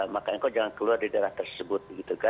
maka engkau jangan keluar dari daerah tersebut